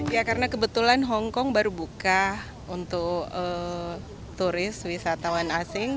ya karena kebetulan hongkong baru buka untuk turis wisatawan asing